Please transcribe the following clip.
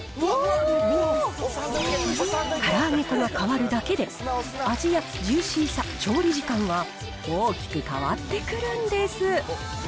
から揚げ粉が変わるだけで、味やジューシーさ、調理時間は大きく変わってくるんです。